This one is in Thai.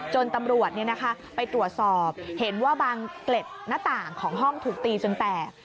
ตำรวจไปตรวจสอบเห็นว่าบางเกล็ดหน้าต่างของห้องถูกตีจนแตก